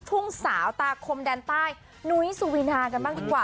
ทุ่งสาวตาคมแดนใต้นุ้ยสุวินากันบ้างดีกว่า